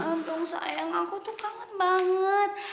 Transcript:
untung sayang aku tuh kangen banget